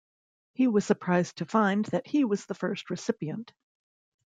He was surprised to find that he was the first recipient.